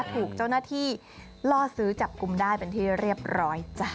ถูกเจ้าหน้าที่ล่อซื้อจับกลุ่มได้เป็นที่เรียบร้อยจ้ะ